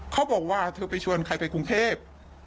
เขาบอกว่าเธอไปชวนใครไปกรุงเทพ